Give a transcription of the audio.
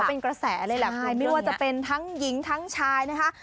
เป็นกระแสเลยแหละคุณไม่ว่าจะเป็นทั้งหญิงทั้งชายนะคะ